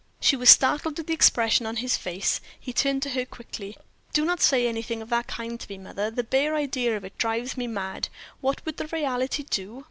She was startled at the expression of his face; he turned to her quickly. "Do not say anything of that kind to me, mother; the bare idea of it drives me mad! What would the reality do?"